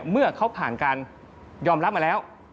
เมื่อเขายอมรับมาแล้ว